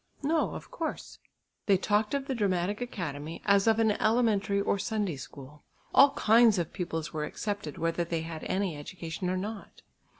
"No, of course." They talked of the Dramatic Academy, as of an elementary or Sunday School; all kinds of pupils were accepted whether they had any education or not.